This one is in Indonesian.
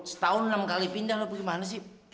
setahun enam kali pindah atau gimana sih